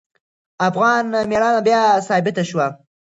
افغان میړانه بیا ثابته شوه.